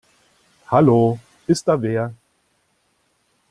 Hallo, ist da wer?